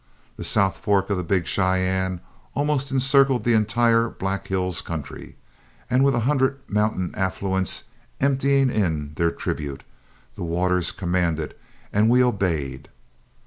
The South Fork of the Big Cheyenne almost encircled the entire Black Hills country, and with a hundred mountain affluents emptying in their tribute, the waters commanded and we obeyed.